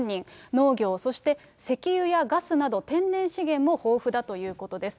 農業、そして石油やガスなど、天然資源も豊富だということです。